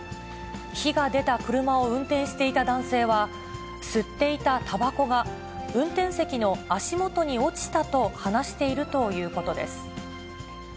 火が出た車を運転していた男性は、吸っていたたばこが、運転席の足元に落ちたと話しているということです。